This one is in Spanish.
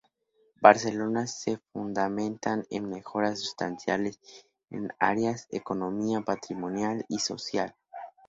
Barcelona se fundamentan en mejoras sustanciales en las áreas económica, patrimonial y social.